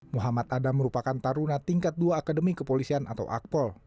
muhammad adam merupakan taruna tingkat dua akademi kepolisian atau akpol